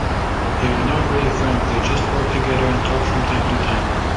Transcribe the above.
They are not really friends, they just work together and talk from time to time.